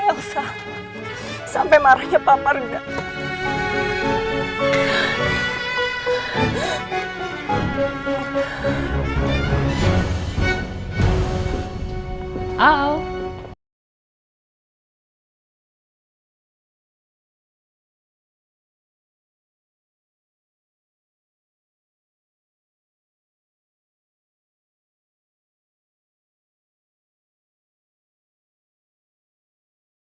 elsa sampai marahnya papa regat